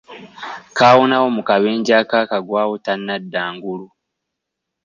Kaawonawo mu kabenje akaakagwawo tanadda ngulu.